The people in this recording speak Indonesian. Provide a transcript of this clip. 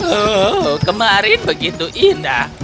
oh kemarin begitu indah